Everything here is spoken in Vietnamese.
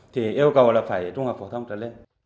thì yêu cầu là phải trung học phổ thông trở lên